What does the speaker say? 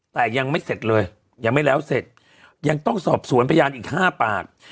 แต่ยังไม่เสร็จเลยยังไม่แล้วเสร็จยังต้องสอบสวนพยานอีก๕ปาก